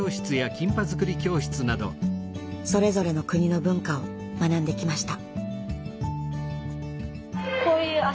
それぞれの国の文化を学んできました。